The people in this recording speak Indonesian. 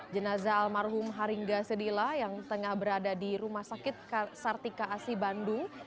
jenazah almarhum haringga sedila yang tengah berada di rumah sakit sartika asi bandung